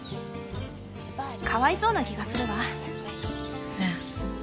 かわいそうな気がするわ。